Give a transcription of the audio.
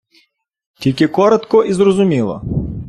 Тільки коротко і зрозуміло!